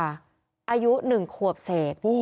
อายุ๑ขวบเศษ